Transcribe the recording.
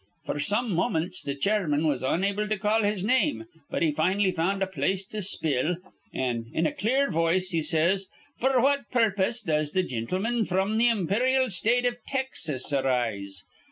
F'r some moments th' chairman was onable to call his name, but he fin'lly found a place to spill; an' in a clear voice he says, 'F'r what purpose does th' gintleman fr'm the imperyal State iv Texas arise?'